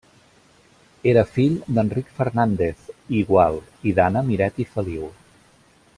Era fill d'Enric Fernández i Gual i d'Anna Miret i Feliu.